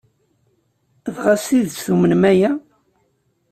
Dɣa d tidet tumnem aya?